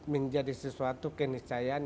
menjadi sesuatu keniscahayaan